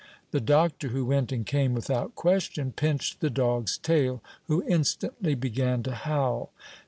The doctor, who went and came without question, pinched the dog's tail, who instantly began to howl.